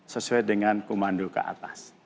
sesuai dengan komando ke atas